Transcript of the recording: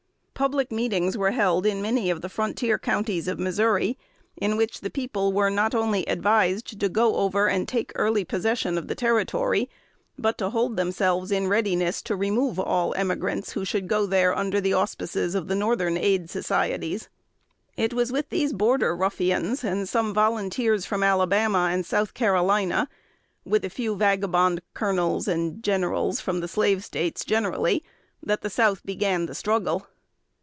Public meetings were held in many of the frontier counties of Missouri, in which the people were not only advised to go over and take early possession of the Territory, but to hold themselves in readiness to remove all emigrants who should go there under the auspices of the Northern Aid Societies. It was with these "Border Ruffians," and some volunteers from Alabama and South Carolina, with a few vagabond "colonels" and "generals" from the Slave States generally, that the South began the struggle.